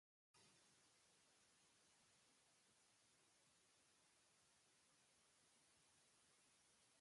Haurrek trantsizio-objektu edo kutun moduan hartzen dituzte maiz.